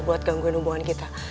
buat gangguin hubungan kita